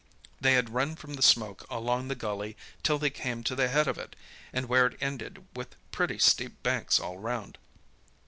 They had run from the smoke along the gully till they came to the head of it, where it ended with pretty steep banks all round.